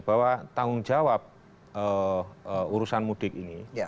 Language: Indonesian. bahwa tanggung jawab urusan mudik ini